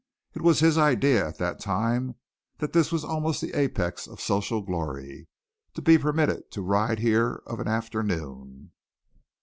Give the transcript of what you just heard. It was his idea at that time that this was almost the apex of social glory to be permitted to ride here of an afternoon.